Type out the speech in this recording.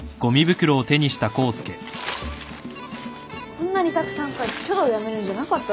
こんなにたくさん書いて書道やめるんじゃなかったの？